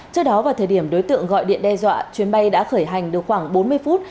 trước đó vào thời điểm đối tượng gọi điện đe dọa chuyến bay đã khởi hành được khoảng bốn mươi phút